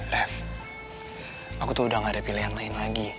ref aku tuh udah gak ada pilihan lain lagi